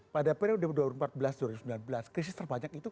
pada periode dua ribu empat belas dua ribu sembilan belas krisis terbanyak itu